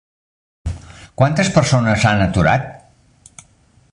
Quantes persones han aturat?